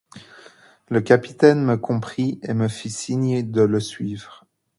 Le capitaine me comprit et me fit signe de le suivre.